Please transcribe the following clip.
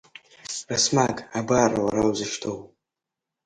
Расмаг абар уара узышьҭоу!